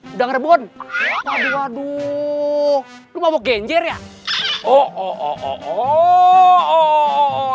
udah ngerbun aduh aduh lu mau genjer ya oh